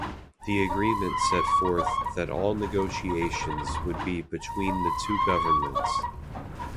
The agreement set forth that all negotiations would be between the two governments.